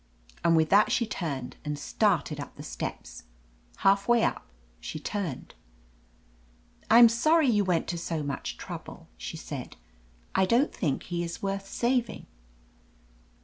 And with that she turned and started up the steps. Half way up she turned. "I'm sorry you went to so much trouble," she said, "I don't think he is worth saving."